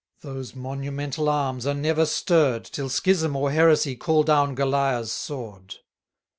Those monumental arms are never stirr'd, Till schism or heresy call down Goliah's sword.